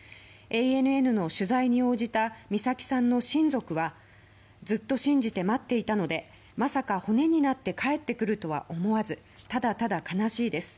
ＡＮＮの取材に応じた美咲さんの親族はずっと信じて待っていたのでまさか骨になって帰ってくるとは思わずただただ悲しいです。